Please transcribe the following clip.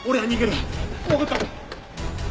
わかった！